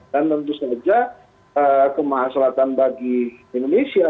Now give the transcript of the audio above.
dan tentu saja kemahaselatan bagi indonesia